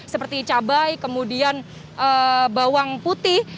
seperti cabai kemudian bawang putih